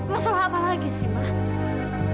masalah apa lagi sih pak